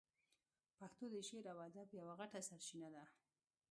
پښتو د شعر او ادب یوه غټه سرچینه ده.